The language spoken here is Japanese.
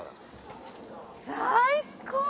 最高！